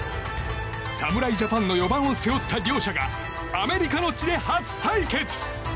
侍ジャパンの４番を背負った両者がアメリカの地で初対決。